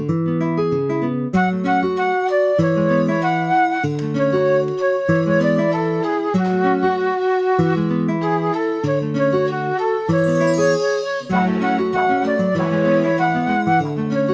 ini sangat mudah lah